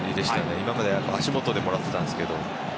今まで足元でもらってたんですけど。